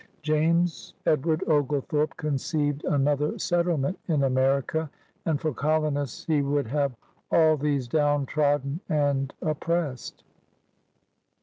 James Edward Oglethorpe conceived another settlement in America, and for colonists he would have all these down trodden and op pressed.